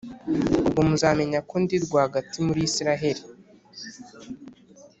Ubwo muzamenya ko ndi rwagati muri Israheli,